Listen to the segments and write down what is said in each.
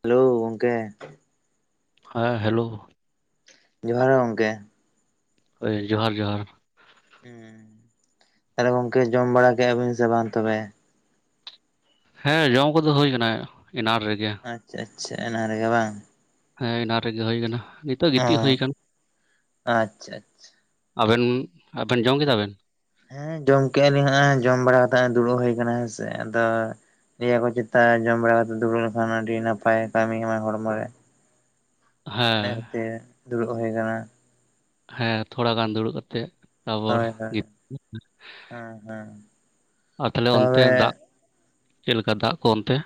Hello ᱜᱚᱢᱠᱮ᱾ ᱦᱮᱸ hello. ᱡᱚᱦᱟᱨ ᱜᱮ ᱜᱚᱢᱠᱮ᱾ ᱦᱳᱭ ᱡᱚᱦᱟᱨ ᱡᱚᱦᱟᱨ᱾ ᱛᱟᱦᱞᱮ ᱜᱚᱝᱠᱮ ᱡᱚᱢ ᱵᱟᱲᱟ ᱠᱮᱫᱟ ᱵᱤᱱ ᱥᱮ ᱵᱟᱝ ᱛᱚᱵᱮ? ᱦᱮᱸ ᱡᱚᱢ ᱠᱚᱫᱚ ᱦᱩᱭ ᱟᱠᱟᱱᱟ ᱮᱱᱟᱝ ᱨᱮᱜᱮ᱾ ᱟᱪᱪᱷᱟ ᱟᱪᱪᱷᱟ ᱚᱱᱟᱝ ᱨᱮᱜᱮ ᱵᱟᱝ᱾ ᱦᱮᱸ ᱮᱱᱟᱝ ᱨᱮᱜᱮ ᱦᱩᱭ ᱠᱟᱱᱟ᱾ ᱜᱤᱛᱤᱡ ᱦᱩᱭ ᱠᱟᱱᱟ ᱦᱮᱸ ᱟᱪᱪᱷᱟ ᱟᱪᱪᱷᱟ᱾ ᱟᱵᱮᱱ ᱟᱵᱮᱱ ᱡᱚᱢ ᱠᱮᱫᱟ ᱵᱮᱱ? ᱦᱮᱸ ᱡᱚᱢ ᱠᱮᱫᱼᱟ ᱞᱤᱧ ᱡᱚᱢ ᱵᱟᱲᱟ ᱠᱟᱛᱮᱜ ᱫᱩᱲᱩᱵ ᱦᱩᱭ ᱟᱠᱟᱱᱟ ᱦᱮᱥᱮ ᱟᱫᱚ ᱱᱤᱭᱟᱹ ᱠᱚ ᱪᱮᱛᱟᱱ ᱡᱚᱢ ᱵᱟᱲᱟ ᱠᱟᱛᱮ ᱫᱩᱲᱩᱵ ᱞᱮᱠᱷᱟᱱ ᱟᱹᱰᱤ ᱱᱟᱯᱟᱭ ᱠᱟᱹᱢᱤ ᱮᱢᱟᱭ ᱦᱚᱲᱢᱚ ᱨᱮ ᱚᱱᱟ ᱦᱮᱸ ᱠᱷᱟᱹᱛᱤᱨ ᱫᱩᱲᱩᱵ ᱦᱩᱭ ᱟᱠᱟᱱᱟ᱾ ᱦᱮᱸ ᱛᱷᱚᱲᱟ ᱜᱟᱱ ᱫᱩᱲᱩᱵ ᱠᱟᱛᱮᱜ ᱛᱟᱨ-ᱯᱚᱨ ᱦᱳᱭ ᱦᱳᱭ ᱜᱤᱛ ᱦᱮᱸ ᱦᱮᱸ ᱟᱨ ᱛᱟᱦᱞᱮ ᱚᱱᱛᱮ ᱛᱚᱵᱮ ᱫᱟᱜ ᱪᱮᱫ ᱞᱮᱠᱟ ᱫᱟᱜ ᱠᱚ ᱚᱱᱛᱮ?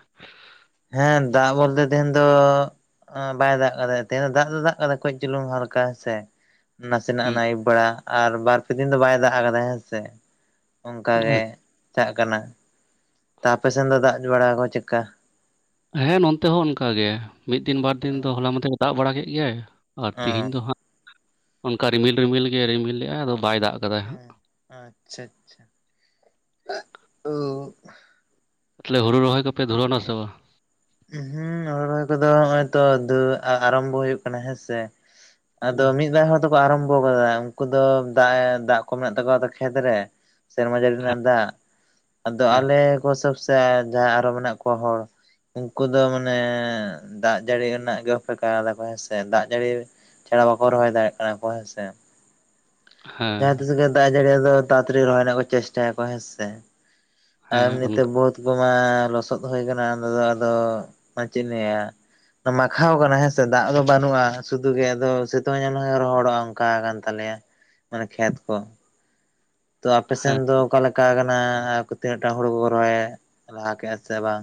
ᱦᱮᱸ ᱫᱟᱜ ᱵᱚᱞᱛᱮ ᱛᱮᱦᱮᱧ ᱫᱚ ᱵᱟᱭ ᱫᱟᱜ ᱠᱟᱜᱠᱟᱫᱟᱭ ᱫᱟᱜ ᱫᱚ ᱫᱟᱜ ᱠᱟᱫᱟᱭ ᱠᱚᱡ ᱪᱩᱞᱩᱝ ᱦᱟᱞᱠᱟ ᱦᱮᱸᱥᱮ ᱱᱟᱥᱮᱱᱟᱜ ᱦᱩᱸ ᱱᱟ ᱟᱹᱭᱩᱵ ᱵᱮᱲᱟ ᱟᱨ ᱵᱟᱨ ᱯᱮ ᱫᱤᱱ ᱫᱚ ᱵᱟᱭ ᱫᱟᱜ ᱟᱠᱟᱫᱟ ᱦᱮᱸ ᱥᱮ ᱚᱱᱠᱟ ᱜᱮ ᱪᱟᱞ ᱠᱟᱱᱟ᱾ ᱛᱚ ᱟᱯᱮᱥᱮᱱ ᱫᱚ ᱫᱟᱜ ᱵᱟᱲᱟ ᱟᱠᱚ ᱪᱮᱫᱠᱟ? ᱦᱮᱸ ᱱᱚᱱᱛᱮ ᱦᱚᱸ ᱚᱱᱠᱟ ᱜᱮ ᱢᱤᱫ ᱫᱤᱱ ᱵᱟᱨ ᱫᱤᱱ ᱫᱚ ᱦᱚᱞᱟ ᱢᱟᱦᱫᱮᱨ ᱫᱟᱜ ᱵᱟᱲᱟ ᱠᱮᱫ ᱜᱮᱭᱟᱭ ᱟᱨ ᱛᱮᱦᱮᱧ ᱟᱪᱪᱷᱟ ᱫᱚ ᱦᱟᱸᱜ ᱚᱱᱠᱟ ᱨᱤᱢᱤᱞ ᱨᱤᱢᱤᱞ ᱜᱮ ᱨᱤᱢᱤᱞ ᱞᱮᱫ ᱟᱭ ᱟᱫᱚ ᱵᱟᱭ ᱫᱟᱜ ᱠᱟᱫᱟᱭ ᱦᱟᱸᱜ᱾ ᱟᱪᱪᱷᱟ ᱟᱪᱪᱷᱟ ᱚᱵ᱾ ᱛᱟᱦᱞᱮ ᱦᱩᱲᱩ ᱨᱚᱦᱚᱭ ᱠᱚᱯᱮ ᱫᱷᱩᱨᱟᱹᱣ ᱱᱟ ᱥᱮ ᱵᱟᱝ? ᱦᱩᱸ ᱨᱚᱦᱚᱭ ᱠᱚᱫᱚ ᱱᱚᱜ ᱚᱭ ᱛᱚ ᱫᱩ ᱟᱨᱟᱢᱵᱚ ᱦᱩᱭᱩᱜ ᱠᱟᱱᱟ ᱦᱮᱸᱥᱮ᱾ ᱟᱫᱚ ᱢᱤᱫ ᱵᱟᱨ ᱦᱚᱲ ᱫᱚᱠᱚ ᱟᱨᱟᱢᱵᱷᱚ ᱠᱟᱫᱟ ᱩᱱᱠᱩ ᱫᱚ ᱫᱟᱜ ᱮ ᱫᱟᱜ ᱠᱚ ᱢᱮᱱᱟᱜ ᱛᱟᱠᱚᱣᱟ ᱠᱷᱮᱛ ᱨᱮ ᱥᱮᱨᱢᱟ ᱡᱟᱹᱲᱤ ᱦᱮᱸ ᱨᱮᱱᱟᱜ ᱫᱟᱜ ᱟᱫᱚ ᱦᱮᱸ ᱟᱞᱮ ᱠᱚ ᱥᱚᱵ ᱥᱮ ᱡᱟᱦᱟᱸᱭ ᱟᱨᱚ ᱢᱮᱱᱟᱜ ᱠᱚᱣᱟ ᱦᱚᱲ ᱩᱱᱠᱩ ᱫᱚ ᱢᱟᱱᱮ ᱫᱟᱜ ᱡᱟᱹᱲᱤ ᱨᱮᱱᱟᱜ ᱜᱮ ᱚᱯᱮᱠᱟ ᱫᱟ ᱠᱚ ᱦᱮᱸᱥᱮ ᱫᱟᱜ ᱡᱟᱹᱲᱤ ᱪᱷᱟᱲᱟ ᱵᱟᱠᱚ ᱨᱚᱦᱚᱭ ᱫᱟᱲᱮ ᱭᱟᱜ ᱠᱟᱱᱟ ᱠᱚ ᱦᱮᱸᱥᱮ᱾ ᱦᱮᱸ ᱡᱟᱦᱟᱸ ᱛᱤᱥ ᱜᱮ ᱫᱟᱜ ᱡᱟᱹᱲᱤ ᱫᱚ ᱛᱟᱲᱟᱼᱛᱟᱹᱲᱤ ᱨᱚᱦᱚᱭ ᱨᱮᱱᱟᱜ ᱠᱚ ᱪᱮᱥᱴᱟᱭᱟ ᱠᱚ ᱦᱮᱸᱥᱮ᱾ ᱟᱨ ᱦᱮᱸ ᱱᱤᱛᱳᱜ ᱚᱱᱠᱟ ᱵᱚᱦᱩᱫ ᱠᱚᱢᱟ ᱞᱚᱥᱚᱫᱽ ᱦᱩᱭ ᱟᱠᱟᱱᱟ [unintelligible] ᱟᱫᱚ ᱪᱮᱫ ᱞᱮᱭᱟ ᱢᱟᱠᱷᱟᱣ ᱠᱟᱱᱟ ᱦᱮᱸᱥᱮ ᱫᱟᱜ ᱫᱚ ᱵᱟᱹᱱᱩᱜᱼᱟ ᱥᱩᱫᱩ ᱜᱮ ᱟ ᱥᱤᱛᱩᱝ ᱧᱮᱱ ᱨᱚᱦᱚᱲᱚᱜᱼᱟ ᱚᱱᱠᱟ ᱠᱟᱱ ᱛᱟᱞᱮᱭᱟ᱾ ᱢᱟᱱᱮ ᱠᱷᱮᱛ ᱠᱚ ᱛᱚ ᱟᱯᱮᱥᱮᱱ ᱦᱮᱸ ᱫᱚ ᱚᱠᱟ ᱞᱮᱠᱟ ᱠᱟᱱᱟ ᱛᱤᱱᱟᱹᱜ ᱴᱟᱝ ᱦᱩᱲᱩ ᱠᱚᱠᱚ ᱨᱚᱦᱚᱭ ᱞᱟᱦᱟ ᱠᱮᱫᱼᱟ ᱥᱮ ᱵᱟᱝ?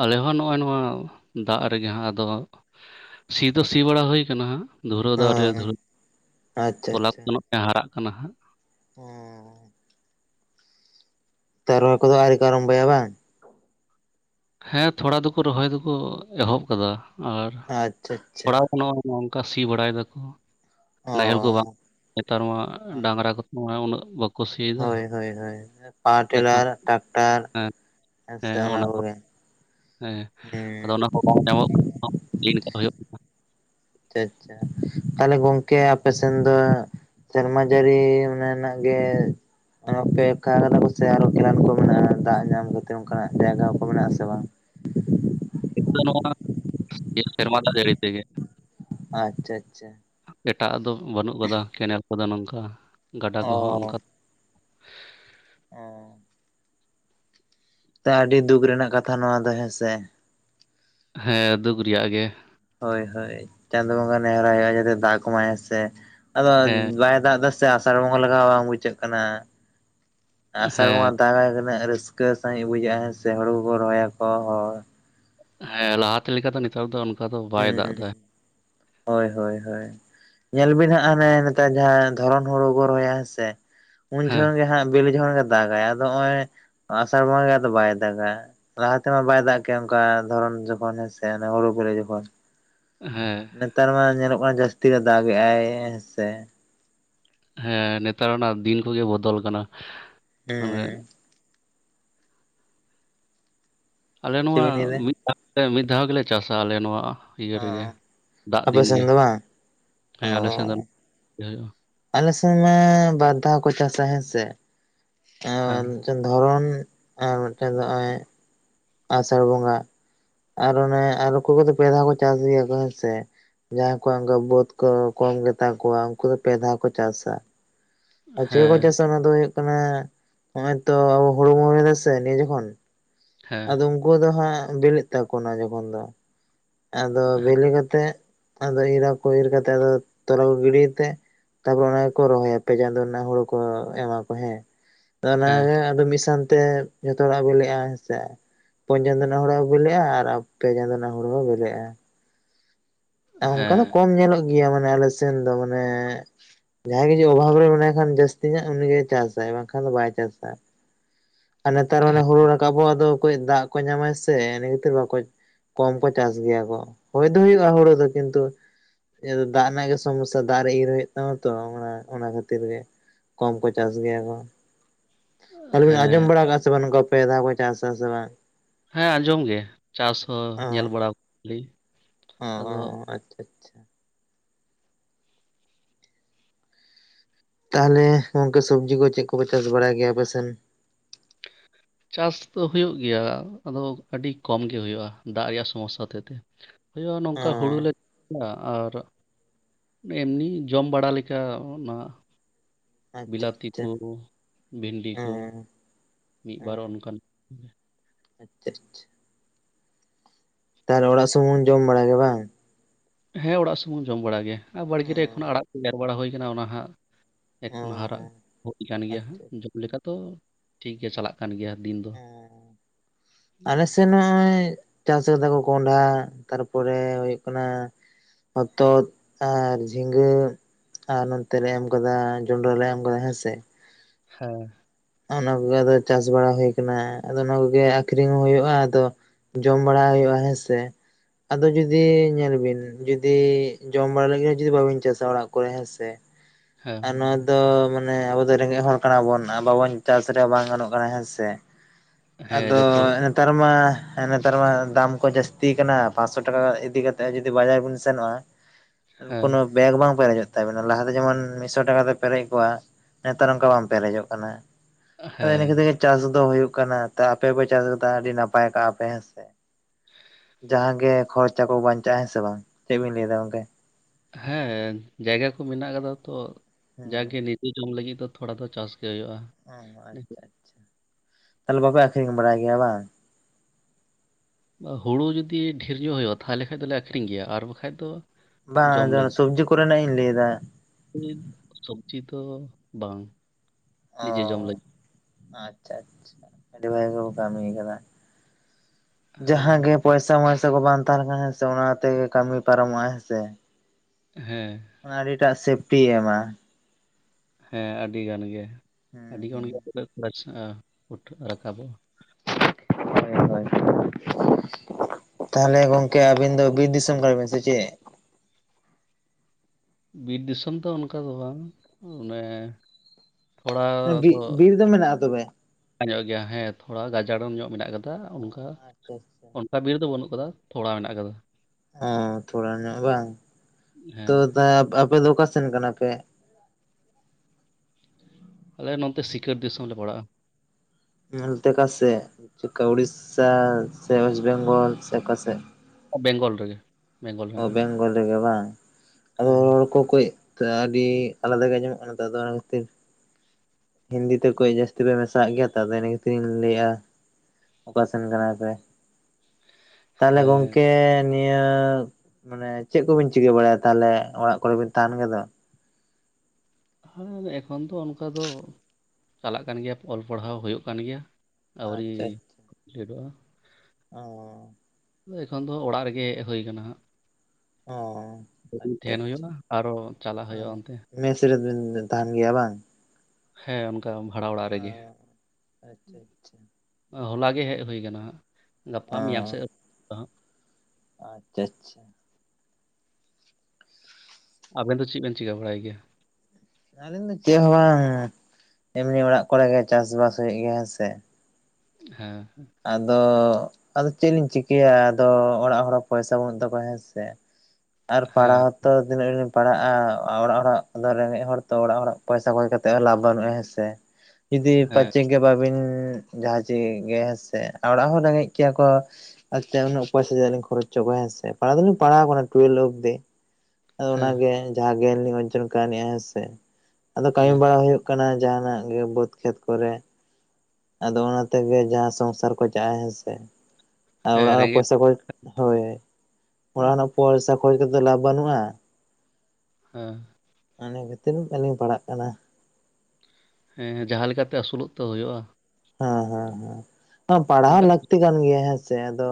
ᱟᱞᱮ ᱦᱚᱸ ᱱᱚᱜᱼᱚᱸᱚᱭ ᱱᱚᱣᱟ ᱫᱟᱜ ᱨᱮᱜᱮ ᱟᱫᱚ ᱥᱤ ᱫᱚ ᱥᱤ ᱵᱟᱲᱟ ᱦᱩᱭ ᱠᱟᱱᱟ ᱫᱷᱩᱨᱟᱹ ᱫᱚ ᱟᱨᱤ ᱫᱷᱩᱨᱟᱹ ᱦᱮᱸ ᱟᱪᱪᱷᱟ ᱛᱚᱞᱟ ᱠᱚ ᱛᱤᱱᱟᱹᱜ ᱦᱟᱨᱟᱜ ᱠᱟᱱᱟ ᱦᱟᱸᱜ ᱦᱮᱸ ᱛᱟ ᱨᱚᱦᱚᱭ ᱠᱚᱫᱚ ᱟᱹᱣᱨᱤ ᱠᱚ ᱟᱨᱟᱢᱵᱚᱭᱟ ᱵᱟᱝ? ᱦᱮᱸ ᱛᱷᱚᱲᱟ ᱫᱩᱠᱩ ᱨᱚᱦᱚᱭ ᱫᱩᱠᱩ ᱮᱦᱚᱵ ᱠᱟᱫᱟ ᱟᱨ ᱟᱪᱪᱷᱟ ᱟᱪᱪᱷᱟ ᱛᱷᱚᱲᱟ ᱱᱚᱝᱠᱟ ᱥᱤ ᱵᱟᱲᱟᱭ ᱫᱟᱠᱩ ᱚ ᱱᱟᱦᱮᱞ ᱠᱚ ᱵᱟᱝ ᱱᱮᱛᱟᱨ ᱢᱟ ᱰᱟᱝᱨᱟ ᱠᱚ ᱛᱮ ᱩᱱᱟᱹᱜ ᱵᱟᱠᱚ ᱥᱤᱭᱮᱫᱟ ᱦᱳᱭ ᱦᱳᱭ ᱦᱳᱭ ᱮᱠᱷᱚᱱ ᱯᱟᱣᱟᱨᱴᱮᱞᱟᱨ ᱴᱨᱟᱠᱴᱟᱨ ᱦᱮᱸ ᱦᱮᱸ ᱥᱮ ᱚᱱᱟ ᱠᱚᱜᱮ ᱦᱮᱸ ᱟᱫᱚ ᱦᱮᱸ ᱚᱱᱟ ᱠᱚ ᱵᱟᱝ ᱧᱟᱢᱚᱜ ᱠᱟᱱᱟ [inaudible] ᱦᱩᱭᱩᱜ ᱠᱟᱱᱟ ᱟᱪᱪᱷᱟ ᱟᱪᱪᱷᱟ ᱛᱟᱦᱞᱮ ᱜᱚᱝᱠᱮ ᱟᱯᱮᱥᱮᱱ ᱫᱚ ᱥᱮᱨᱢᱟ ᱡᱟᱹᱨᱤ ᱚᱱᱟ ᱨᱮᱱᱟᱜ ᱜᱮ ᱚᱯᱮᱠᱷᱟ ᱠᱟᱫᱟ ᱠᱚ ᱥᱮ ᱟᱨᱚ ᱠᱮᱞᱟᱱ ᱠᱚ ᱢᱮᱱᱟᱜᱼᱟ ᱫᱟᱜ ᱧᱟᱢ ᱠᱟᱛᱮ ᱚᱱᱠᱟᱱᱟᱜ ᱡᱟᱭᱜᱟ ᱠᱚ ᱢᱮᱱᱟᱜᱼᱟ ᱥᱮ ᱵᱟᱝ? ᱦᱤᱛ ᱫᱚ ᱱᱚᱣᱟ ᱥᱮᱨᱢᱟ ᱫᱟᱜ ᱡᱟᱹᱲᱤ ᱛᱮᱜᱮ ᱟᱪᱪᱷᱟ ᱟᱪᱪᱷᱟ ᱮᱴᱟᱜ ᱫᱚ ᱵᱟᱹᱱᱩᱜ ᱠᱟᱫᱟ ᱠᱮᱱᱮᱞ ᱠᱚᱫᱚ ᱱᱚᱝᱠᱟ ᱜᱟᱰᱟ ᱚ ᱠᱚᱦᱚ ᱚᱱᱠᱟ [unintelligible] ᱦᱮᱸ ᱛᱚ ᱟᱹᱰᱤ ᱫᱩᱠ ᱨᱮᱱᱟᱜ ᱠᱟᱛᱷᱟ ᱱᱚᱣᱟ ᱫᱚ ᱦᱮᱸᱥᱮ ᱦᱮᱸ ᱫᱩᱠ ᱨᱮᱭᱟᱜ ᱜᱮ ᱦᱳᱭ ᱦᱳᱭ ᱪᱟᱸᱫᱳ ᱵᱚᱸᱜᱟ ᱱᱮᱦᱚᱨᱟᱭ ᱦᱩᱭᱩᱜᱼᱟ ᱡᱟᱛᱮ ᱫᱟᱜᱽ ᱢᱟᱭ ᱦᱮᱸᱥᱮ ᱟᱫᱚ ᱦᱮᱸ ᱵᱟᱭ ᱫᱟᱜᱽ ᱫᱟ ᱥᱮ ᱥᱮ ᱟᱥᱟᱲ ᱵᱚᱸᱜᱟ ᱞᱮᱠᱟ ᱦᱚᱸ ᱵᱟᱝ ᱵᱩᱡᱷᱟᱹᱜ ᱠᱟᱱᱟ ᱟᱥᱟᱲ ᱦᱮᱸ ᱵᱚᱸᱜᱟ ᱫᱟᱜᱟᱭ ᱛᱤᱱᱟᱜ ᱨᱟᱹᱥᱠᱟᱹ ᱨᱟᱹᱠᱟᱹ ᱥᱟᱺᱦᱤᱡ ᱵᱩᱡᱟᱹᱜᱼᱟ ᱦᱮᱸ ᱥᱮ ᱦᱳᱲᱳ ᱠᱚᱠᱚ ᱨᱚᱦᱚᱭᱟᱠᱚ ᱦᱚᱲ ᱦᱮᱸ ᱞᱟᱦᱟᱛᱮ ᱞᱤᱠᱟ ᱫᱚ ᱱᱮᱛᱚᱜ ᱫᱚ ᱫᱚ ᱵᱟᱭ ᱦᱩᱸ ᱫᱟᱜ ᱮᱫᱟ ᱦᱩᱸ ᱦᱳᱭ ᱦᱳᱭ ᱦᱳᱭ ᱧᱮᱞ ᱵᱤᱱ ᱦᱟᱜ ᱦᱟᱱᱮ ᱱᱮᱛᱟᱨ ᱡᱟᱦᱟᱸ ᱫᱷᱚᱨᱚᱱ ᱦᱳᱲᱳ ᱠᱚ ᱨᱚᱦᱚᱭᱟ ᱦᱮᱸᱥᱮ ᱩᱱ ᱦᱮᱸ ᱡᱚᱦᱚᱱ ᱜᱮ ᱦᱟᱜ ᱵᱤᱞᱤ ᱡᱚᱠᱷᱚᱱ ᱜᱮ ᱫᱟᱜᱟᱭ ᱟᱫᱚ ᱦᱚᱜ-ᱚᱭ ᱟᱥᱟᱲ ᱵᱚᱸᱜᱟ ᱜᱮ ᱟᱫᱚ ᱵᱟᱭ ᱫᱟᱜᱟ ᱞᱟᱦᱟᱛᱮ ᱢᱟ ᱵᱟᱭ ᱫᱟᱜ ᱠᱮᱭᱟ ᱚᱱᱠᱟ ᱫᱷᱚᱨᱚᱱ ᱡᱚᱠᱷᱚᱱ ᱦᱮᱸ ᱥᱮ ᱦᱩᱲᱩ ᱵᱮᱞᱮ ᱡᱚᱠᱷᱚᱱ ᱦᱮᱸ ᱱᱮᱛᱟᱨ ᱢᱟ ᱧᱮᱞᱚᱜ ᱠᱟᱱᱟ ᱡᱟᱹᱥᱛᱤ ᱜᱮ ᱫᱟᱜᱽ ᱮᱫᱟᱭ ᱦᱮᱸ ᱥᱮ ᱦᱮᱸ ᱱᱮᱛᱟᱨ ᱚᱱᱟ ᱫᱤᱱ ᱠᱚᱜᱮ ᱵᱚᱫᱚᱞ ᱠᱟᱱᱟ ᱢᱟᱱᱮ ᱦᱩᱸ ᱟᱞᱮ ᱪᱮᱫ ᱱᱚᱣᱟ ᱵᱤᱱ ᱞᱟᱹᱭ ᱫᱟ ᱢᱤᱫ ᱫᱷᱟᱣ ᱢᱤᱫ ᱫᱷᱟᱣ ᱜᱮᱞᱮ ᱪᱟᱥᱟ ᱟᱞᱮ ᱱᱚᱣᱟ ᱤᱭᱟᱹ ᱚ ᱨᱮᱜᱮ ᱫᱟᱜ ᱟᱯᱮ ᱫᱤᱱ ᱥᱮᱱ ᱜᱮ ᱫᱚ ᱵᱟᱝ ᱚ ᱦᱮᱸ ᱟᱞᱮᱥᱮᱫ ᱫᱚ [inaudible] ᱦᱩᱭᱩᱜᱼᱟ ᱟᱞᱮ ᱥᱮᱱ ᱢᱟ ᱵᱟᱨ ᱫᱷᱟᱣ ᱠᱚ ᱪᱟᱥ-ᱟ ᱦᱮᱸ ᱥᱮ ᱟᱨ ᱦᱮᱸ ᱢᱤᱫᱴᱟᱱ ᱫᱷᱚᱨᱚᱱ ᱟᱨ ᱢᱤᱫᱴᱮᱱ ᱱᱚᱜᱚᱭ ᱟᱥᱟᱲ ᱵᱚᱸᱜᱟ ᱟᱨ ᱚᱱᱮ ᱟᱨ ᱚᱠᱚᱭ ᱠᱚᱫᱚ ᱯᱮ ᱫᱷᱟᱣ ᱠᱚ ᱪᱟᱥ ᱜᱮᱭᱟ ᱠᱚ ᱦᱮᱸ ᱥᱮ ᱡᱟᱦᱟᱭ ᱠᱚᱣᱟᱜ ᱚᱝᱠᱟ ᱵᱟᱹᱫᱽ ᱠᱚ ᱠᱚᱢ ᱜᱮᱛᱟ ᱠᱚᱣᱟ ᱩᱱᱠᱩ ᱫᱚ ᱯᱮ ᱫᱷᱟᱣ ᱠᱚ ᱪᱟᱥ-ᱟ ᱟᱨ ᱪᱮᱠᱟ ᱦᱮᱸ ᱠᱚ ᱪᱟᱥᱟ ᱚᱱᱟ ᱫᱚ ᱦᱳᱭᱳᱜ ᱠᱟᱱᱟ ᱱᱚᱜ-ᱚᱭ ᱛᱚ ᱟᱵᱚ ᱦᱳᱲᱳ ᱵᱚᱱ ᱨᱚᱦᱚᱭ ᱫᱟ ᱥᱮ ᱱᱤᱭᱟᱹ ᱡᱚᱠᱷᱚᱱ ᱦᱮᱸ ᱟᱫᱚ ᱩᱱᱠᱩ ᱫᱚ ᱦᱟᱸᱜ ᱵᱤᱞᱤᱜ ᱛᱟᱠᱚ ᱚᱱᱟ ᱡᱚᱠᱷᱚᱱ ᱫᱚ ᱟᱫᱚ ᱵᱤᱞᱤ ᱠᱟᱛᱮᱜ ᱟᱫᱚ ᱤᱨ ᱟᱠᱚ ᱟᱫᱚ ᱤᱨ ᱠᱟᱛᱮ ᱟᱫᱚ ᱛᱚᱞᱟ ᱠᱚ ᱜᱤᱰᱤ ᱛᱮ ᱛᱟᱯᱚᱨᱮ ᱚᱱᱟ ᱜᱮᱠᱚ ᱨᱚᱦᱚᱭᱟ ᱯᱮ ᱪᱟᱸᱫᱚ ᱨᱮᱱᱟᱜ ᱦᱩᱲᱩ ᱠᱚ ᱮᱢᱟ ᱟᱠᱚ ᱦᱮᱸ ᱟᱫᱚ ᱦᱮᱸ ᱚᱱᱟᱜᱮ ᱟᱫᱚ ᱢᱤᱫ ᱥᱟᱶᱛᱮ ᱡᱷᱚᱛᱚ ᱦᱚᱲᱟᱜ ᱵᱮᱞᱮᱜᱼᱟ ᱦᱮ ᱥᱮ ᱥᱮ ᱯᱩᱱ ᱪᱟᱸᱫᱳ ᱨᱮᱱᱟᱜ ᱦᱳᱲᱳ ᱦᱚᱸ ᱵᱮᱞᱮᱜᱼᱟ ᱟᱨ ᱯᱮ ᱪᱟᱸᱫᱳ ᱨᱮᱱᱟᱜ ᱦᱳᱲᱳ ᱦᱚᱸ ᱵᱮᱞᱮᱜᱼᱟ ᱟ ᱚᱝᱠᱟ ᱫᱚ ᱦᱮᱸ ᱠᱚᱢ ᱧᱮᱞᱚᱜ ᱜᱮᱭᱟ ᱢᱟᱱᱮ ᱟᱞᱮ ᱥᱮᱱ ᱫᱚ ᱢᱟᱱᱮ ᱡᱟᱦᱟᱸᱭ ᱜᱮ ᱡᱩ ᱚᱵᱷᱟᱵ ᱨᱮ ᱢᱮᱱᱟᱭ ᱠᱷᱟᱱ ᱡᱟᱹᱥᱛᱤ ᱧᱚᱜ ᱩᱱᱤᱜᱮ ᱪᱟᱥ ᱟᱭ ᱵᱟᱝᱠᱷᱟᱱ ᱫᱚ ᱵᱟᱭ ᱪᱟᱥ-ᱟ ᱟᱨ ᱱᱮᱛᱟᱨ ᱚᱱᱮ ᱦᱩᱲᱩ ᱨᱟᱠᱟᱵᱚᱜ-ᱟ ᱟᱫᱚ ᱚᱠᱚᱭ ᱫᱟᱜ ᱠᱚᱭ ᱧᱟᱢᱟᱭ ᱥᱮ ᱤᱱᱟᱹ ᱠᱷᱟᱛᱤᱨ ᱵᱟᱠᱚ ᱠᱚᱢ ᱠᱚ ᱪᱟᱥ ᱜᱮᱭᱟ ᱠᱚ ᱦᱳᱭ ᱫᱚ ᱦᱩᱭᱩᱜᱼᱟ ᱦᱩᱲᱳ ᱫᱚ ᱠᱤᱱᱛᱩ ᱤᱧᱟᱜ ᱫᱚ ᱫᱟᱜᱽ ᱨᱮᱱᱟᱜ ᱜᱮ ᱥᱚᱢᱚᱥᱥᱟ ᱫᱟᱜ ᱨᱮ ᱤᱨ ᱦᱩᱭᱩᱜ ᱛᱟᱢᱟ ᱛᱚ ᱚᱱᱟ ᱚᱱᱟ ᱠᱷᱟᱹᱛᱤᱨ ᱜᱮ ᱠᱚᱢ ᱠᱚ ᱪᱟᱥ ᱜᱮᱭᱟ ᱠᱚ᱾ ᱛᱟᱦᱞᱮ ᱵᱤᱱ ᱟᱸᱡᱚᱢ ᱦᱮᱸ ᱵᱟᱲᱟ ᱠᱟᱜᱼᱟ ᱥᱮ ᱵᱟᱝ ᱱᱚᱝᱠᱟ ᱯᱮ ᱫᱷᱟᱣ ᱠᱚ ᱪᱟᱥᱟ ᱥᱮ ᱵᱟᱝ? ᱦᱮᱸ ᱟᱸᱡᱚᱢ ᱜᱮ ᱪᱟᱥ ᱦᱚᱸ ᱧᱮᱞ ᱵᱟᱲᱟ ᱠᱟᱜ ᱞᱤᱧ᱾ ᱚᱸᱻ ᱟᱪᱪᱷᱟ ᱟᱪᱪᱷᱟ᱾ ᱛᱟᱦᱞᱮ ᱜᱚᱝᱠᱮ ᱥᱚᱵᱽᱡᱤ ᱠᱚ ᱪᱮᱫ ᱠᱚᱯᱮ ᱪᱟᱥ ᱵᱟᱲᱟᱭ ᱜᱮᱭᱟ ᱟᱯᱮ ᱥᱮᱱ? ᱪᱟᱥ ᱫᱚ ᱦᱩᱭᱩᱜ ᱜᱮᱭᱟ ᱟᱫᱚ ᱟᱹᱰᱤ ᱠᱚᱢ ᱜᱮ ᱦᱩᱭᱩᱜᱼᱟ ᱫᱟᱜ ᱨᱮᱭᱟᱜ ᱥᱚᱢᱚᱥᱥᱟ ᱦᱚᱛᱮ ᱛᱮ᱾ ᱦᱩᱭᱩᱜᱼᱟ ᱚ ᱱᱚᱝᱠᱟ ᱦᱩᱲᱩ ᱞᱮ [unintelligible] ᱟᱨ ᱮᱢᱱᱤ ᱡᱚᱢ ᱵᱟᱲᱟ ᱞᱮᱠᱟ ᱚᱱᱟ ᱟᱪᱪᱷᱟ ᱵᱤᱞᱟᱛᱤ ᱟᱪᱪᱷᱟ ᱠᱚ, ᱵᱷᱤᱱᱰᱤ ᱚ ᱠᱚ, ᱢᱤᱫ ᱚ ᱵᱟᱨ ᱚᱱᱠᱟᱱ ᱟᱪᱪᱷᱟ ᱟᱪᱪᱷᱟ ᱛᱟᱦᱚᱞᱮ ᱚᱲᱟᱜ ᱥᱩᱢᱩᱝ ᱡᱚᱢ ᱵᱟᱲᱟ ᱜᱮ ᱵᱟᱝ? ᱦᱮᱸ ᱚᱲᱟᱜ ᱥᱩᱢᱩᱝ ᱡᱚᱢ ᱵᱟᱲᱟᱜ ᱜᱮ ᱟᱨ ᱚ ᱵᱟᱲᱜᱮ ᱨᱮ ᱮᱠᱷᱚᱱᱳ ᱟᱲᱟᱜ ᱠᱚ ᱮᱨ ᱵᱟᱲᱟ ᱦᱳᱭ ᱠᱟᱱᱟ ᱚᱱᱟ ᱦᱟᱸᱜ ᱚ ᱮᱠᱷᱚᱱ ᱦᱟᱨᱟᱜ ᱦᱩᱭ ᱟᱠᱟᱱ ᱜᱮᱭᱟ ᱦᱟᱸᱜ ᱟᱪᱪᱷᱟ ᱡᱚᱢ ᱞᱮᱠᱟ ᱛᱚ ᱴᱷᱤᱠ ᱜᱮ ᱪᱟᱞᱟᱜ ᱠᱟᱱ ᱜᱮᱭᱟ ᱫᱤᱱ ᱫᱚ᱾ [inaudible] ᱟᱞᱮᱥᱮᱫ ᱱᱚᱜ ᱚᱭ ᱪᱟᱥ ᱟᱠᱟᱫᱟ ᱠᱚ ᱠᱚᱸᱰᱷᱟ ᱛᱟᱨᱯᱚᱨᱮ ᱦᱩᱭᱩᱜ ᱠᱟᱱᱟ, ᱦᱚᱛᱚᱫᱽ ᱟᱨ ᱡᱷᱤᱸᱜᱟᱹ, ᱟᱨ ᱱᱚᱛᱮ ᱞᱮ ᱮᱢ ᱠᱟᱫᱟ ᱡᱚᱱᱰᱨᱟ ᱞᱮ ᱮᱢ ᱠᱟᱫᱟ ᱦᱮᱸ ᱥᱮ? ᱦᱮᱸ ᱚᱱᱟ ᱠᱚᱜᱮ ᱟᱫᱚ ᱪᱟᱥ ᱵᱟᱲᱟ ᱦᱳᱭ ᱠᱟᱱᱟ ᱟᱫᱚ ᱚᱱᱟ ᱠᱚᱜᱮ ᱟᱠᱷᱨᱤᱧ ᱦᱚᱸ ᱦᱳᱭᱳᱜᱼᱟ, ᱟᱫᱚ ᱡᱚᱢ ᱵᱟᱲᱟ ᱦᱩᱭᱩᱜᱼᱟ ᱦᱮᱸᱥᱮ ᱟᱫᱚ ᱡᱩᱫᱤ ᱧᱮᱞ ᱵᱤᱱ ᱡᱩᱫᱤ ᱡᱚᱢ ᱵᱟᱲᱟ ᱞᱟᱹᱜᱤᱫ ᱦᱚᱸ ᱡᱩᱫᱤ ᱵᱟᱵᱤᱱ ᱪᱟᱥᱟ ᱚᱲᱟᱜ ᱠᱚᱨᱮ ᱦᱮᱸᱥᱮ? ᱦᱮᱸ ᱟᱨ ᱱᱚᱣᱟ ᱟᱫᱚ ᱢᱟᱱᱮ ᱟᱵᱚ ᱫᱚ ᱨᱮᱸᱜᱮᱡ ᱦᱚᱲ ᱠᱟᱱᱟ ᱵᱚᱱ ᱵᱟᱵᱚᱱ ᱪᱟᱥ ᱨᱮᱦᱚ ᱵᱟᱝ ᱜᱟᱱᱚᱜ ᱠᱟᱱᱟ ᱦᱮᱸ ᱥᱮ? ᱦᱮᱸ ᱟᱫᱚᱻ ᱡᱚᱛᱚ ᱱᱮᱛᱟᱨ ᱢᱟ ᱱᱮᱛᱟᱨ ᱢᱟ ᱫᱟᱢ ᱠᱚ ᱡᱟᱹᱥᱛᱤ ᱠᱟᱱᱟ ᱯᱟᱸᱥᱥᱳ ᱴᱟᱠᱟ ᱤᱫᱤ ᱠᱟᱛᱮᱫ ᱦᱚᱸ ᱡᱩᱫᱤ ᱵᱟᱡᱟᱨ ᱵᱤᱱ ᱥᱮᱱᱚᱜᱼᱟ, ᱦᱮᱸ ᱠᱳᱱᱳ ᱵᱮᱜᱽ ᱵᱟᱝ ᱯᱮᱨᱮᱡᱚᱜ ᱛᱟᱵᱮᱱᱟ ᱞᱟᱦᱟᱛᱮ ᱡᱮᱢᱚᱱ ᱢᱤᱫᱥᱚ ᱴᱟᱠᱟ ᱛᱮ ᱯᱮᱨᱮᱡ ᱠᱚᱜ-ᱟ ᱱᱮᱛᱟᱨ ᱚᱱᱠᱟ ᱵᱟᱝ ᱯᱮᱨᱮᱡᱚᱜ ᱠᱟᱱᱟ, ᱦᱳᱭ ᱤᱱᱠᱟᱹ ᱦᱮᱸ ᱠᱟᱛᱮ ᱪᱟᱥ ᱫᱚ ᱦᱳᱭᱜ ᱠᱟᱱᱟ ᱛᱚ ᱟᱯᱮ ᱯᱮ ᱪᱟᱥ ᱠᱟᱫᱟ ᱟᱹᱰᱤ ᱱᱟᱯᱟᱭ ᱠᱟᱜᱼᱟ ᱯᱮ ᱦᱮᱸᱥᱮ? ᱡᱟᱦᱟᱸᱜᱮ ᱠᱷᱚᱨᱪᱟ ᱠᱚ ᱵᱟᱧᱪᱟᱜᱼᱟ ᱦᱮᱸᱥᱮ ᱵᱟᱝ ᱪᱮᱫ ᱵᱤᱱ ᱞᱟᱹᱭᱫᱟ ᱜᱚᱝᱠᱮ? ᱦᱮᱸ ᱡᱟᱭᱜᱟ ᱠᱚ ᱢᱮᱱᱟᱜ ᱟᱠᱟᱫᱟ ᱛᱚ ᱡᱟᱠ ᱜᱮ ᱦᱮᱸ ᱱᱤᱛ ᱩᱛᱩ ᱡᱚᱢ ᱞᱟᱹᱜᱤᱫ ᱫᱚ ᱛᱷᱚᱲᱟ ᱫᱚ ᱪᱟᱥ ᱜᱮ ᱦᱩᱭᱩᱜᱼᱟ᱾ ᱚ ᱟᱪᱪᱷᱟ ᱟᱪᱪᱷᱟ ᱛᱟᱦᱞᱮ ᱵᱟᱯᱮ ᱟᱹᱠᱷᱨᱤᱧ ᱵᱟᱲᱟᱭ ᱜᱮᱭᱟ ᱵᱟᱝ? ᱦᱩᱲᱩ ᱡᱩᱫᱤ ᱰᱷᱮᱨ ᱧᱚᱜ ᱦᱩᱭᱩᱜᱼᱟ ᱛᱟᱦᱚᱞᱮ ᱠᱷᱟᱡ ᱫᱚᱞᱮ ᱟᱠᱷᱨᱤᱧ ᱜᱮᱭᱟ ᱟᱨ ᱵᱟᱠᱷᱟᱡ ᱫᱚ ᱵᱟᱝ ᱡᱚᱢ ᱟᱫᱚ ᱞᱟᱹᱜᱤᱫ ᱥᱚᱵᱽᱡᱤ ᱠᱚᱨᱮᱱᱟᱜ ᱤᱧ ᱞᱟᱹᱭ ᱮᱫᱟ᱾ [unintelligible] ᱥᱚᱵᱽᱡᱤ ᱫᱚ ᱵᱟᱝ, ᱱᱤᱡᱮ ᱡᱚᱢ ᱞᱟᱹᱜᱤᱫ ᱚᱸ ᱟᱪᱪᱷᱟ ᱟᱪᱪᱷᱟ ᱟᱹᱰᱤ ᱵᱷᱟᱜᱤ ᱠᱚ ᱠᱟᱹᱢᱤ ᱠᱟᱫᱟ, ᱦᱮᱸ ᱡᱟᱦᱟᱸ ᱜᱮ ᱯᱚᱭᱥᱟ ᱢᱚᱭᱥᱟ ᱠᱚ ᱵᱟᱝ ᱛᱟᱦᱮᱸᱱ ᱠᱷᱟᱱ ᱦᱮᱸ ᱥᱮ ᱚᱱᱟᱛᱮᱜᱮ ᱠᱟᱹᱢᱤ ᱯᱟᱨᱚᱢᱚᱜᱼᱟ ᱦᱮᱸ ᱥᱮ? ᱦᱮᱸ ᱚᱱᱟ ᱟᱹᱰᱤᱴᱟᱜ ᱥᱮᱯᱴᱤᱭ ᱮᱢᱟ, ᱦᱮᱸ ᱟᱹᱰᱤ ᱜᱟᱱ ᱜᱮ ᱦᱩᱸ ᱟᱹᱰᱤᱜᱟᱱ ᱦᱩᱸ ᱜᱮ [unintelligible] ᱩᱴᱷᱟᱹ ᱨᱟᱠᱟᱵᱚᱜᱼᱟ᱾ ᱦᱳᱭ ᱦᱳᱭ ᱛᱟᱦᱚᱞᱮ ᱜᱚᱝᱠᱮ ᱟᱵᱤᱱ ᱫᱚ ᱵᱤᱨ ᱫᱤᱥᱚᱢ ᱠᱟᱱᱟ ᱵᱤᱱ ᱥᱮ ᱪᱮᱫ? ᱵᱤᱨ ᱫᱤᱥᱚᱢ ᱫᱚ ᱚᱱᱠᱟ ᱫᱚ ᱵᱟᱝ, ᱚᱱᱮ ᱛᱷᱚᱲᱟ ᱫᱚ ᱵᱤᱨ ᱫᱚ ᱢᱮᱱᱟᱜᱼᱟ ᱛᱚᱵᱮ? ᱧᱚᱜ ᱜᱮᱭᱟ ᱦᱮᱸ ᱛᱷᱚᱲᱟ ᱜᱟᱡᱟᱲ ᱧᱚᱜ ᱢᱮᱱᱟᱜ ᱠᱟᱫᱟ ᱚᱱᱠᱟ ᱟᱪᱪᱷᱟ ᱟᱪᱪᱷᱟ ᱚᱱᱠᱟ ᱵᱤᱨ ᱫᱚ ᱵᱟᱹᱱᱩᱜ ᱟᱠᱟᱫᱟ ᱛᱷᱚᱲᱟ ᱢᱮᱱᱟᱜ ᱟᱠᱟᱫᱟ᱾ ᱚ ᱛᱷᱚᱲᱟ ᱧᱚᱜ ᱵᱟᱝ ᱛᱚ ᱦᱮᱸ ᱟᱯᱮ ᱟᱯᱮ ᱫᱚ ᱚᱠᱟ ᱥᱮᱱ ᱠᱟᱱᱟ ᱯᱮ? ᱟᱞᱮ ᱱᱚᱛᱮ ᱥᱤᱠᱟᱹᱨ ᱫᱤᱥᱚᱢ ᱞᱮ ᱯᱟᱲᱟᱜᱼᱟ᱾ ᱱᱚᱱᱛᱮ ᱚᱠᱟ ᱥᱮ ᱪᱮᱠᱟ ᱩᱲᱤᱥᱥᱟ ᱥᱮ ᱚᱭᱮᱥᱴ ᱵᱮᱝᱜᱚᱞ ᱥᱮ ᱚᱠᱟᱥᱮ? ᱵᱮᱝᱜᱚᱞ ᱨᱮᱜᱮ ᱵᱮᱝᱜᱚᱞ ᱨᱮᱱ ᱠᱟᱱᱟ, ᱵᱷᱟᱞᱮ ᱜᱮ ᱵᱟᱝ? ᱦᱮᱸ ᱚ ᱠᱚ ᱟᱹᱰᱤ ᱟᱞᱟᱫᱟ ᱜᱮ ᱟᱸᱡᱚᱢᱚᱜ ᱠᱟᱱᱟ ᱛᱚ ᱟᱫᱚ ᱚᱱᱟ ᱠᱷᱟᱹᱛᱤᱨ ᱦᱤᱱᱫᱤᱛᱮ ᱠᱟᱹᱡ ᱡᱟᱹᱥᱛᱤ ᱯᱮ ᱢᱮᱥᱟᱣᱟᱜ ᱜᱮᱭᱟ ᱛᱚ ᱟᱫᱚ ᱤᱱᱟᱹ ᱠᱷᱟᱹᱛᱤᱨᱤᱧ ᱞᱟᱹᱭᱮᱜᱼᱟ ᱚᱠᱟ ᱥᱮᱱ ᱠᱟᱱᱟ ᱯᱮ? ᱛᱟᱦᱚᱞᱮ ᱦᱮᱸ ᱜᱚᱝᱠᱮ ᱱᱤᱭᱟᱹ ᱢᱟᱱᱮ ᱪᱮᱫ ᱠᱚᱵᱤᱱ ᱪᱤᱠᱟᱹ ᱵᱟᱲᱟᱭᱟ ᱛᱟᱦᱚᱞᱮ ᱚᱲᱟᱜ ᱠᱚᱨᱮ ᱵᱤᱱ ᱛᱟᱦᱮᱱ ᱜᱮᱫᱚ? ᱦᱮᱸ ᱮᱠᱷᱚᱱ ᱫᱚ ᱚᱱᱠᱟ ᱫᱚ ᱪᱟᱞᱟᱜ ᱠᱟᱱ ᱜᱮᱭᱟ ᱚᱞ ᱯᱟᱲᱦᱟᱣ ᱦᱩᱭᱩᱜ ᱠᱟᱱ ᱜᱮᱭᱟ ᱟᱹᱣᱨᱤ ᱟᱪᱪᱷᱟ [unintelligible] ᱞᱮᱴᱚᱜᱼᱟ ᱚᱻ ᱟᱫᱚ ᱮᱠᱷᱚᱱ ᱫᱚ ᱚᱲᱟᱜ ᱨᱮᱜᱮ ᱦᱮᱡ ᱦᱩᱭ ᱟᱠᱟᱱᱟ ᱦᱟᱜ ᱚᱻ ᱛᱟᱦᱮᱱ ᱦᱩᱭᱩᱜᱼᱟ ᱟᱨᱚ ᱪᱟᱞᱟᱜ ᱦᱩᱭᱩᱜᱼᱟ ᱚ ᱚᱱᱛᱮ ᱢᱮᱥ ᱨᱮᱵᱤᱱ ᱛᱟᱦᱮᱱ ᱜᱮᱭᱟ ᱵᱟᱝ? ᱦᱮᱸ ᱚᱱᱠᱟ ᱵᱷᱟᱲᱟ ᱚᱲᱟᱜ ᱨᱮᱜᱮ ᱚ ᱟᱪᱪᱷᱟ ᱟᱪᱪᱷᱟ ᱦᱚᱞᱟ ᱜᱮ ᱦᱮᱡ ᱦᱩᱭ ᱟᱠᱟᱱᱟ ᱦᱟᱜ ᱜᱟᱯᱟ ᱚ ᱢᱮᱭᱟᱝ ᱥᱮᱫ ᱟᱪᱪᱷᱟ ᱟᱪᱪᱷᱟ ᱟᱵᱮᱱ ᱫᱚ ᱪᱮᱫ ᱵᱮᱱ ᱪᱤᱠᱟᱹ ᱵᱟᱲᱟᱭ ᱜᱮᱭᱟ? ᱟᱹᱞᱤᱧ ᱫᱚ ᱪᱮᱫ ᱦᱚᱸ ᱵᱟᱝ ᱮᱢᱱᱤ ᱚᱲᱟᱜ ᱠᱚᱨᱮ ᱜᱮ ᱪᱟᱥᱵᱟᱥ ᱦᱩᱭᱩᱜ ᱜᱮᱭᱟ ᱦᱮᱸᱥᱮ ᱦᱮᱸ ᱦᱮᱸ ᱟᱫᱚᱻ ᱟᱫᱚ ᱪᱮᱫ ᱞᱤᱧ ᱪᱤᱠᱟᱹᱭᱟ ᱟᱫᱚ ᱚᱲᱟᱜ ᱦᱚᱲ ᱦᱚᱸ ᱯᱚᱭᱥᱟ ᱵᱟᱹᱱᱩᱜ ᱛᱟᱠᱚᱣᱟ ᱦᱮᱸ ᱥᱮ ᱟᱨ ᱯᱟᱲᱦᱟᱣ ᱦᱮᱸ ᱦᱚᱸᱛᱚ ᱛᱤᱱᱟᱹᱜ ᱵᱮᱱ ᱯᱟᱲᱦᱟᱜᱼᱟ ᱟᱨ ᱚᱲᱟᱜ ᱦᱚᱲᱟᱜ ᱟᱫᱚ ᱨᱮᱸᱜᱮᱡ ᱦᱚᱲ ᱛᱚ ᱚᱲᱟᱜ ᱦᱚᱲᱟᱜ ᱯᱚᱭᱥᱟ ᱠᱚᱭ ᱠᱟᱛᱮᱫ ᱦᱚᱸ ᱞᱟᱵᱷ ᱵᱟᱹᱱᱩᱜᱼᱟ ᱦᱮᱸ ᱥᱮ ᱡᱩᱫᱤ ᱦᱮᱸ ᱯᱟᱪᱮᱜ ᱜᱮ ᱵᱟᱵᱤᱱ ᱡᱟᱦᱟᱸ ᱪᱤᱠᱟᱹ ᱠᱮᱫ ᱜᱮ ᱦᱮ ᱚᱲᱟᱜ ᱦᱚᱸ ᱨᱮᱸᱜᱮᱡ ᱜᱮᱭᱟ ᱠᱚ ᱟᱪᱪᱷᱟ ᱩᱱᱟᱹ ᱯᱚᱭᱥᱟ ᱪᱮᱫᱟᱜ ᱞᱤᱧ ᱠᱷᱚᱨᱚᱪ ᱦᱚᱪᱚ ᱠᱚᱣᱟ ᱦᱮᱸᱥᱮ ᱯᱟᱲᱦᱟᱣ ᱫᱚᱞᱤᱧ ᱯᱟᱲᱟᱣ ᱟᱠᱟᱱᱟ ᱴᱩᱭᱮᱞᱵᱷ ᱚᱵᱫᱤ ᱟᱫᱚ ᱦᱮᱸ ᱚᱱᱟᱜᱮ ᱡᱟᱦᱟᱸ ᱜᱮᱭᱟᱱ ᱞᱤᱧ ᱚᱨᱡᱚᱱ ᱠᱟᱣᱱᱤᱡᱟ ᱦᱮᱸᱥᱮ ᱟᱫᱚ ᱠᱟᱹᱢᱤ ᱦᱮᱸ ᱵᱟᱲᱟ ᱦᱩᱭᱩᱜ ᱠᱟᱱᱟ ᱡᱟᱦᱟᱱᱟᱜ ᱜᱮ ᱵᱟᱹᱫᱽ ᱠᱷᱮᱛ ᱠᱚᱨᱮ ᱟᱫᱚ ᱚᱱᱟ ᱛᱮᱜᱮ ᱡᱟᱦᱟᱸ ᱥᱚᱝᱥᱟᱨ ᱠᱚ ᱪᱟᱼᱟ ᱦᱮᱸ ᱥᱮ ᱟᱨ ᱦᱮᱸ ᱚᱲᱟᱜ ᱨᱮᱱᱟᱜ ᱨᱮᱸᱜᱮᱡ ᱯᱚᱭᱥᱟ ᱠᱚᱭ ᱦᱳᱭ ᱚᱲᱟᱜ ᱨᱮᱱᱟᱜ ᱯᱚᱭᱥᱟ ᱠᱚᱭ ᱠᱟᱛᱮᱫ ᱫᱚ ᱞᱟᱵᱷ ᱵᱟᱹᱱᱩᱜᱼᱟ ᱦᱮᱸ ᱚᱱᱟ ᱠᱷᱟᱹᱛᱤᱨ ᱵᱟᱹᱞᱤᱧ ᱯᱟᱲᱦᱟᱜ ᱠᱟᱱᱟ ᱦᱮᱸ ᱡᱟᱦᱟᱸ ᱞᱮᱠᱟᱛᱮ ᱟᱹᱥᱩᱞᱚᱜ ᱛᱚ ᱦᱩᱭᱩᱜᱼᱟ ᱦᱮᱸ ᱦᱮᱸ ᱦᱮᱸ ᱯᱟᱲᱦᱟᱣ ᱚᱱᱠᱟ ᱞᱟᱹᱠᱛᱤ ᱠᱟᱱ ᱜᱮᱭᱟ ᱦᱮᱸ ᱥᱮ ᱟᱫᱚ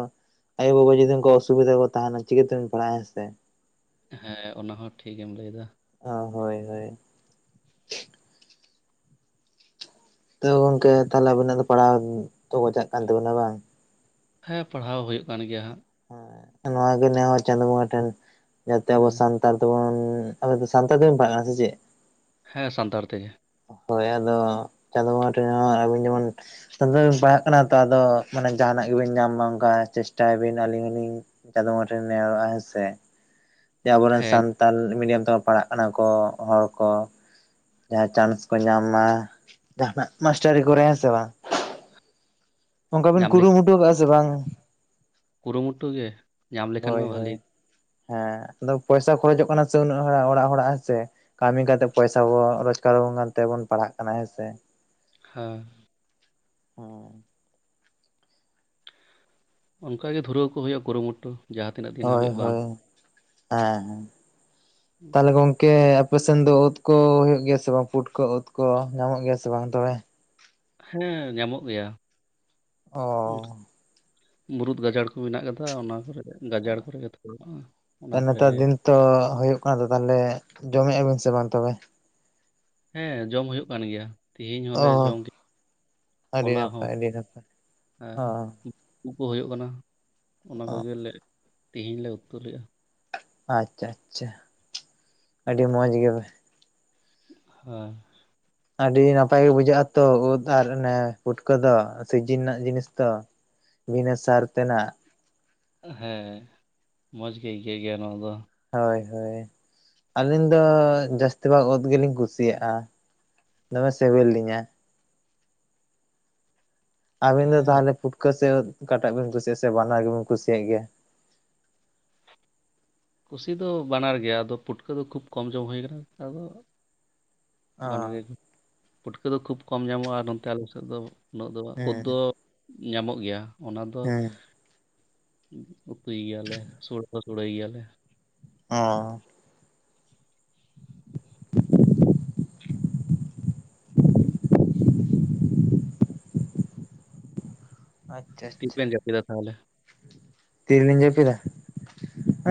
ᱟᱭᱳ ᱵᱟᱵᱟ ᱡᱩᱫᱤ ᱩᱱᱠᱩ ᱚᱥᱩᱵᱤᱫᱟ ᱠᱚ ᱛᱟᱦᱮᱱᱟ ᱪᱤᱠᱟᱹᱵᱮᱱ ᱯᱟᱲᱦᱟᱜᱼᱟ ᱦᱮᱸᱥᱮ ᱦᱮᱸ ᱚᱱᱟ ᱦᱚᱸ ᱴᱷᱤᱠ ᱮᱢ ᱞᱟᱹᱭ ᱮᱫᱟ ᱚ ᱦᱳᱭ ᱦᱳᱭ ᱛᱚ ᱜᱚᱝᱠᱮ ᱛᱟᱦᱚᱞᱮ ᱟᱵᱤᱱᱟᱜ ᱫᱚ ᱯᱟᱲᱦᱟᱣ ᱫᱚ ᱪᱟᱜ ᱠᱟᱱ ᱛᱟᱵᱚᱱᱟ ᱵᱟᱝ ᱦᱮᱸ ᱯᱟᱲᱦᱟᱣ ᱦᱩᱭᱩᱜ ᱠᱟᱱ ᱜᱮᱭᱟ ᱦᱟᱸᱜ ᱱᱚᱣᱟ ᱜᱮ ᱱᱮᱦᱚᱨ ᱪᱟᱸᱫᱚ ᱵᱚᱸᱜᱟ ᱴᱷᱮᱱ ᱡᱟᱛᱮ ᱟᱵᱚ ᱦᱮᱸ ᱥᱟᱱᱼᱼ ᱼᱛᱟᱲ ᱫᱚᱵᱚᱱ ᱟᱵᱮ ᱱᱫᱚ ᱥᱟᱱᱛᱟᱲ ᱛᱮ ᱵᱮᱱ ᱯᱟᱲᱦᱟᱜ ᱠᱟᱱᱟ ᱥᱮ ᱪᱮᱫ? ᱦᱮᱸ ᱥᱟᱱᱛᱟᱲ ᱛᱮᱜᱮ ᱦᱳᱭ ᱟᱫᱚ ᱪᱟᱸᱫᱳ ᱵᱚᱸᱜᱟ ᱴᱷᱮᱱ ᱦᱚᱸ ᱟᱵᱤᱱ ᱡᱮᱢᱚᱱ ᱯᱟᱲᱦᱟᱜ ᱠᱟᱱᱟ ᱛᱚ ᱟᱫᱚ ᱢᱟᱱᱮ ᱡᱟᱦᱟᱱᱟᱜ ᱜᱮᱵᱤᱱ ᱧᱟᱢ ᱢᱟ ᱚᱱᱠᱟ ᱪᱮᱥᱴᱟᱭ ᱵᱤᱱ ᱟᱹᱞᱤᱧ ᱦᱚᱞᱤᱧ ᱪᱟᱹᱫᱳ ᱵᱚᱝᱜᱟ ᱴᱷᱮᱱ ᱱᱮᱦᱚᱨᱚᱜᱼᱟ ᱦᱮᱸᱥᱮ ᱡᱮ ᱟᱵᱚᱨᱮᱱ ᱦᱮᱸ ᱥᱟᱱᱛᱟᱲ ᱢᱤᱰᱤᱭᱟᱢ ᱛᱮᱠᱚ ᱯᱟᱲᱦᱟᱜ ᱠᱟᱱᱟ ᱠᱚ ᱦᱚᱲ ᱠᱚ ᱡᱟᱦᱟᱸ ᱪᱟᱱᱥ ᱠᱚ ᱧᱟᱢ ᱢᱟ ᱡᱟᱦᱟᱱᱟᱜ ᱢᱟᱥᱴᱟᱨᱤ ᱠᱚᱨᱮ ᱦᱮᱸ ᱥᱮ ᱵᱟᱝ ᱚᱱᱠᱟ ᱵᱤᱱ ᱧᱟᱢ ᱞᱮᱠᱷᱟᱱ ᱠᱩᱨᱩᱢᱩᱴᱩ ᱟᱠᱟᱫᱼᱟ ᱥᱮ ᱵᱟᱝ? ᱠᱩᱨᱩᱢᱩᱴᱩ ᱜᱮ ᱧᱟᱢ ᱞᱮᱠᱷᱟᱱ ᱢᱟ ᱦᱳᱭ ᱦᱳᱭ ᱵᱷᱟᱞᱤ ᱦᱮᱸ ᱟᱫᱚ ᱯᱚᱭᱥᱟ ᱠᱷᱚᱨᱚᱪᱚᱜ ᱠᱟᱱᱟ ᱥᱮ ᱩᱱᱟᱹᱜ ᱦᱚᱲᱟᱜ ᱚᱲᱟᱜ ᱦᱚᱲᱟᱜ ᱦᱮᱸᱥᱮ ᱠᱟᱹᱢᱤ ᱠᱟᱛᱮᱜ ᱯᱚᱭᱥᱟ ᱵᱚᱱ ᱨᱳᱡᱽᱜᱟᱨᱵᱚᱱ ᱠᱟᱱ ᱛᱮᱵᱚᱱ ᱯᱟᱲᱦᱟᱜ ᱠᱟᱱᱟ ᱦᱮᱸᱥᱮ ᱦᱮᱸ ᱦᱮᱸ ᱚᱱᱠᱟᱜᱮ ᱫᱷᱩᱨᱟᱹᱣ ᱠᱚ ᱦᱩᱭᱩᱜᱼᱟ ᱠᱩᱨᱩᱢᱩᱴᱩ ᱡᱟᱦᱟᱸ ᱛᱤᱱᱟᱹᱜ ᱫᱤᱱ ᱦᱳᱭ ᱦᱟᱹᱵᱤᱡ ᱵᱟᱝ ᱦᱳᱭ ᱦᱮᱸ ᱦᱮ ᱛᱟᱦᱚᱞᱮ ᱜᱚᱝ ᱠᱮ ᱟᱞᱮᱥᱮᱱ ᱫᱚ ᱩᱫᱽ ᱠᱚ ᱦᱩᱭᱩᱜ ᱜᱮᱭᱟ ᱥᱮ ᱵᱟᱝ ᱯᱩᱴᱠᱟ ᱩᱫᱽ ᱠᱚ ᱧᱟᱢᱚᱜ ᱜᱮᱭᱟ ᱥᱮ ᱵᱟᱝ ᱛᱚᱵᱮ ᱦᱮᱸ ᱧᱟᱢᱚᱜ ᱜᱮᱭᱟ᱾ ᱚ ᱢᱩᱨᱩᱫ ᱜᱟᱡᱟᱲ ᱠᱚ ᱢᱮᱱᱟᱜ ᱠᱟᱫᱟ ᱚᱱᱟ ᱠᱚᱨᱮ ᱜᱟᱡᱟᱲ ᱠᱚᱨᱮ ᱜᱮ ᱛᱚ ᱚᱱᱟ ᱠᱚᱨᱮ ᱱᱮᱛᱟᱨ ᱜᱮ ᱫᱤᱱ ᱛᱚ ᱦᱩᱭᱩᱜ ᱠᱟᱱᱟ ᱛᱚ ᱛᱟᱦᱚᱞᱮ ᱡᱚᱢᱮᱫᱼᱟ ᱵᱤᱱ ᱥᱮ ᱵᱟᱝ ᱛᱚᱵᱮ ᱦᱮᱸ ᱡᱚᱢ ᱦᱩᱭᱩᱜ ᱠᱟᱱ ᱜᱮᱭᱟ᱾ ᱛᱮᱦᱤᱧ ᱦᱚᱸᱞᱮ ᱚ ᱡᱚᱢ ᱜᱮᱭᱟ ᱟᱹᱰᱤ ᱦᱚᱞᱟ ᱦᱚᱸ ᱱᱟᱯᱟᱭ ᱟᱹᱰᱤ ᱱᱟᱯᱟᱭ ᱟᱨ ᱚ ᱩᱫᱽ ᱠᱚ ᱦᱩᱭᱩᱜ ᱠᱟᱱᱟ᱾ ᱚᱱᱟ ᱚ ᱠᱚᱜᱮᱞᱮ ᱛᱮᱦᱮᱧ ᱞᱮ ᱩᱛᱩ ᱞᱮᱫᱼᱟ ᱟᱪᱪᱷᱟ ᱟᱪᱪᱷᱟ᱾ᱟᱹᱰᱤ ᱢᱚᱸᱡᱽ ᱜᱮ ᱦᱮᱸ ᱟᱹᱰᱤ ᱱᱟᱯᱟᱭ ᱜᱮ ᱵᱩᱡᱷᱟᱹᱜ-ᱟ ᱛᱚ ᱩᱫᱽ ᱟᱨ ᱚᱱᱮ ᱯᱩᱴᱠᱟᱹ ᱫᱚ ᱥᱤᱡᱤᱱ ᱨᱮᱱᱟᱜ ᱡᱤᱱᱤᱥ ᱛᱚ᱾ ᱵᱤᱱᱟᱹ ᱥᱟᱨ ᱛᱮᱱᱟᱜ ᱦᱮᱸ ᱢᱚᱡᱽ ᱜᱮ ᱟᱹᱭᱠᱟᱹᱜ ᱜᱮᱭᱟ ᱱᱚᱣᱟ ᱫᱚ ᱦᱳᱭ ᱦᱳᱭ ᱟᱹᱞᱤᱧ ᱫᱚ ᱡᱟᱹᱥᱛᱤ ᱵᱷᱟᱜ ᱩᱫᱽ ᱜᱮᱞᱤᱧ ᱠᱩᱥᱤᱭᱟᱜᱼᱟ ᱫᱚᱢᱮ ᱥᱤᱵᱤᱞ ᱞᱤᱧᱟ ᱟᱵᱤᱱ ᱫᱚ ᱦᱮᱸ ᱛᱟᱦᱚᱞᱮ ᱯᱷᱩᱴᱠᱟᱹ ᱥᱮ ᱩᱫᱽ ᱚᱠᱟᱴᱟᱜ ᱵᱤᱱ ᱠᱩᱥᱤᱭᱟᱜᱼᱟ ᱥᱮ ᱵᱟᱱᱟᱨ ᱜᱮᱵᱤᱱ ᱠᱩᱥᱤᱭᱟᱜ ᱜᱮᱭᱟ᱾ ᱠᱩᱥᱤ ᱫᱚ ᱵᱟᱱᱟᱨ ᱜᱮᱭᱟ ᱟᱫᱚ ᱯᱩᱴᱠᱟᱹ ᱫᱚ ᱠᱷᱩᱵ ᱠᱚᱢ ᱡᱚᱢ ᱦᱩᱭ ᱟᱠᱟᱱᱟ᱾ ᱟᱫᱚ ᱚ ᱵᱟᱱᱟᱨ ᱜᱮ ᱯᱟᱹᱴᱩᱠᱟᱹ ᱫᱚ ᱠᱷᱩᱵ ᱠᱚᱢ ᱧᱟᱢᱚᱜᱼᱟ᱾ ᱱᱚᱛᱮ ᱟᱞᱮ ᱥᱮᱫ ᱫᱚ ᱩᱱᱟᱹᱜ ᱫᱚ ᱩᱫᱽ ᱦᱮᱸ ᱫᱚ ᱧᱟᱢᱚᱜ ᱜᱮᱭᱟ ᱚᱱᱟ ᱫᱚ ᱦᱮᱸ ᱩᱛᱩᱭ ᱜᱮᱭᱟᱹᱞᱮ ᱥᱩᱲᱟ ᱠᱚ ᱥᱩᱲᱟ ᱜᱮᱭᱟ ᱞᱮ᱾ ᱚ [inaudible] [inaudible] ᱟᱪᱪᱷᱟ ᱛᱤ ᱟᱪᱪᱷᱟ᱾ ᱵᱮᱱ ᱡᱟᱹᱯᱤᱫᱟ ᱛᱟᱦᱚᱞᱮ ᱛᱤᱞᱤᱧ ᱡᱟᱹᱯᱤᱫᱟ